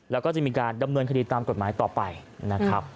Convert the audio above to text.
แล้วก็จะมีการดำเนินคดีตามกฎหมายต่อไปนะครับ